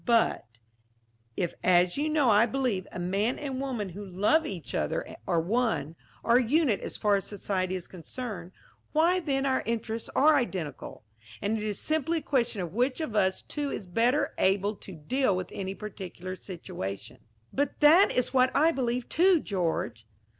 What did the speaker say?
"But if, as you know I believe, a man and woman who love each other are one, are a unit as far as society is concerned, why then our interests are identical, and it is simply a question of which of us two is better able to deal with any particular situation." "But that is what I believe, too, George."